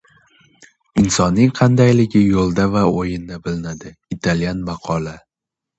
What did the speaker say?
Insonning qandayligi yo‘lda va o‘yinda bilinadi. Italyan maqoli